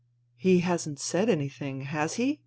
*' He hasn't said anything, has he